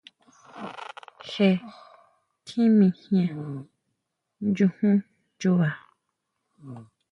Je tiji mijian, nyujún chubá.